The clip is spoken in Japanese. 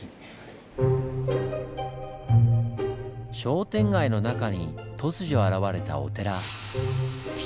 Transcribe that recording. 商店街の中に突如現れたお寺。